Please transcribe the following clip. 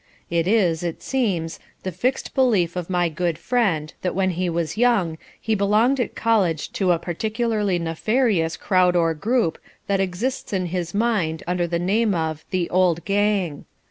It is, it seems, the fixed belief of my good friend that when he was young he belonged at college to a particularly nefarious crowd or group that exists in his mind under the name of the "old gang."